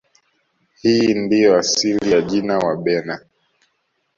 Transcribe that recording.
Hii ndiyo asili ya jina Wabena